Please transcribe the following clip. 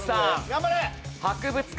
頑張れ！